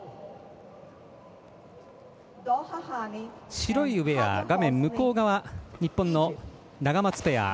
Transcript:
白いウエア、画面向こう側日本のナガマツペア。